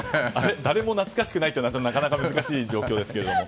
誰も懐かしくないとなるとなかなか難しい状況ですけれども。